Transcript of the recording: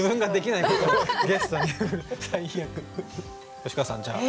吉川さんじゃあ